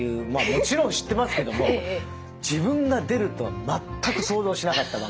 もちろん知ってますけども自分が出るとは全く想像しなかった番組ですね。